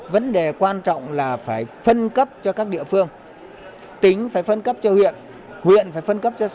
vấn đề quan trọng là phải phân cấp cho các địa phương tính phải phân cấp cho huyện huyện phải phân cấp cho xã